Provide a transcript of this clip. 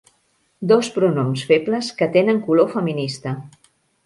Dos pronoms febles que tenen color feminista.